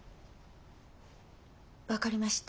分かりました。